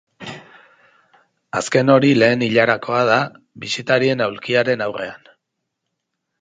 Azken hori lehen ilarakoa da, bisitarien aulkiaren aurrean.